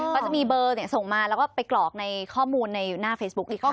เขาจะมีเบอร์ส่งมาแล้วก็ไปกรอกในข้อมูลในหน้าเฟซบุ๊ก